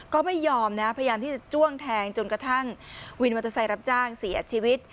ก็ไม่ยอมนะพยายามที่จะจ้วงแทงจนกระทั่งวินมอเตอร์ไซค์รับจ้างเสียชีวิต